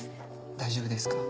大丈夫ですか？